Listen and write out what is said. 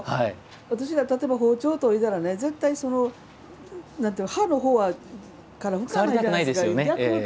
私、例えば包丁研いだら絶対、刃のほうから拭かないじゃないですか。